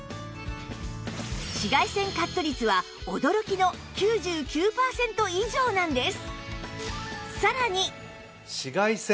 紫外線カット率は驚きの９９パーセント以上なんです